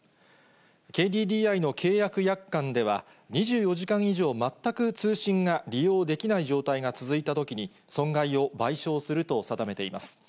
ＫＤＤＩの契約約款では、２４時間以上全く通信が利用できない状態が続いたときに、損害を賠償すると定めています。